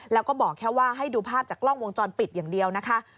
แล้วก็บอกแค่ว่าให้ดูภาพจากกล้องวงจรปิดอย่างเดียวนะคะ